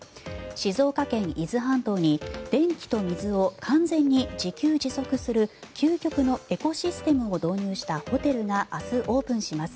静岡県・伊豆半島に電気と水を完全に自給自足する究極のエコシステムを導入したホテルが明日、オープンします。